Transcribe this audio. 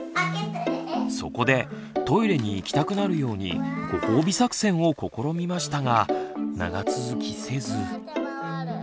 そこでトイレに行きたくなるように「ご褒美作戦」を試みましたが長続きせず。